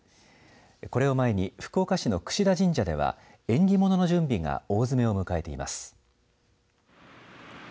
これを前に福岡市の櫛田神社では縁起物の準備が大詰めを迎えています。